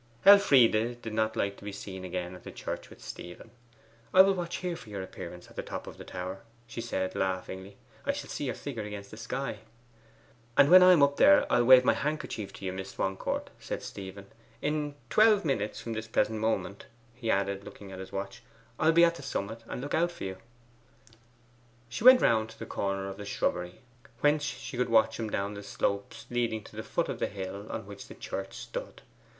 Elfride did not like to be seen again at the church with Stephen. 'I will watch here for your appearance at the top of the tower,' she said laughingly. 'I shall see your figure against the sky.' 'And when I am up there I'll wave my handkerchief to you, Miss Swancourt,' said Stephen. 'In twelve minutes from this present moment,' he added, looking at his watch, 'I'll be at the summit and look out for you.' She went round to the corner of the shrubbery, whence she could watch him down the slope leading to the foot of the hill on which the church stood.